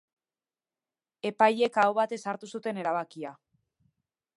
Epaileek aho batez hartu zuten erabakia.